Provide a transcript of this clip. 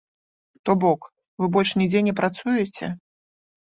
То бок, вы больш нідзе не працуеце?